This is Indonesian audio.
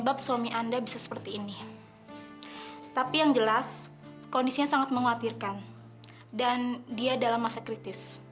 mami mau ke rumah sakit jenguk papi kamu mau ikut